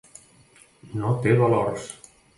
No té valors.